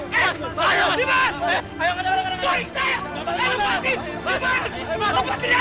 balik balik balik